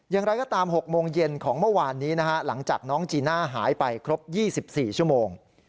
อย่างไรก็ตาม๖โมงเย็นของเมื่อวานนี้นะฮะหลังจากน้องจีน่าหายไปครบ๒๔ชั่วโมง